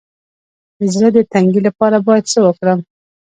د زړه د تنګي لپاره باید څه وکړم؟